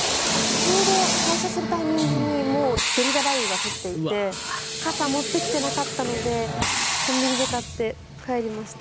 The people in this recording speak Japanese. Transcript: ちょうど退社するタイミングにもうゲリラ雷雨が降っていて傘を持ってきていなかったのでコンビニで買って帰りました。